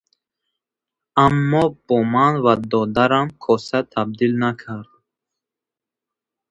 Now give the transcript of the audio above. Аммо бо ман ва додарам коса табдил накард.